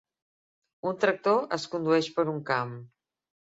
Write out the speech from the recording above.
Un tractor es condueix per un camp.